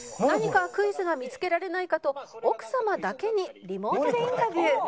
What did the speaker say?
「何かクイズが見付けられないかと奥様だけにリモートでインタビュー」